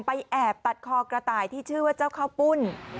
แอบตัดคอกระต่ายที่ชื่อว่าเจ้าข้าวปุ้น